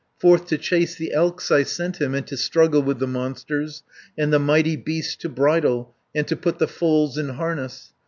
Forth to chase the elks I sent him, And to struggle with the monsters, And the mighty beasts to bridle, And to put the foals in harness.